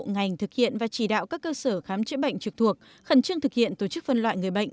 ngành thực hiện và chỉ đạo các cơ sở khám chữa bệnh trực thuộc khẩn trương thực hiện tổ chức phân loại người bệnh